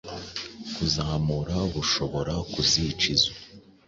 kuzamura bushobora kuzica izo